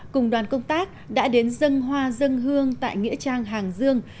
cùng đoàn công tác đã đến dâng hoa dâng hương tại nghĩa trang hàng dương